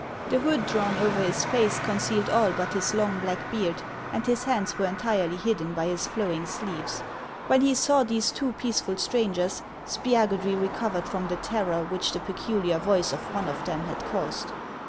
The hood drawn over his face concealed all but his long black beard, and his hands were entirely hidden by his flowing sleeves. When lie saw these two peaceful strangers, Spiagudry recovered from the terror which the peculiar voice of one of them had caused.